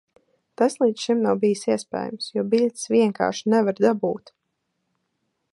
Tas līdz šim nav bijis iespējams, jo biļetes vienkārši nevar dabūt.